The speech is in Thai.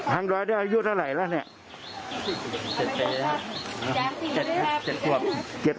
ทางรอยเด้ออายุเท่าไหร่แล้วเนี่ย